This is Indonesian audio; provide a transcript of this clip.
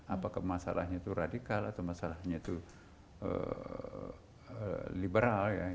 apakah masalahnya itu radikal atau masalahnya itu liberal ya